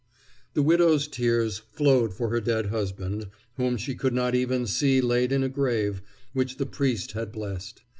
The widow's tears flowed for her dead husband, whom she could not even see laid in a grave which the priest had blessed.